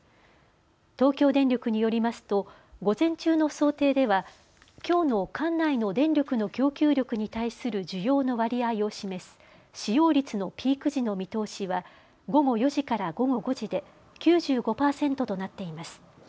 東京電力によりますと午前中の想定ではきょうの管内の電力の供給力に対する需要の割合を示す使用率のピーク時の見通しは午後４時から午後５時で９５％となっています。